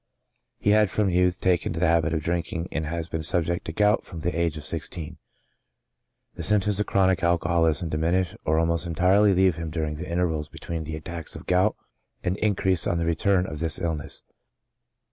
He had, from youth, taken to the habit of drink ing, and has been subject to gout from the age of sixteen. The symptoms of chronic alcoholism diminish or almost entirely leave him during the intervals between the attacks of gout, and increase on the return of this illness.